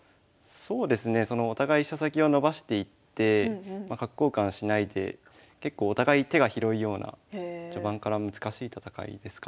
そうですねお互い飛車先を伸ばしていって角交換しないで結構お互い手が広いような序盤から難しい戦いですかね。